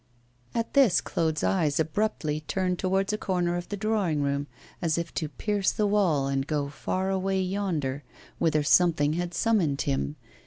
At this Claude's eyes abruptly turned towards a corner of the drawing room, as if to pierce the wall and go far away yonder, whither something had summoned him.